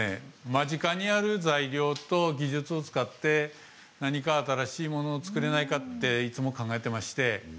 間近にある材料と技術を使って何か新しいものを作れないかといつも考えていまして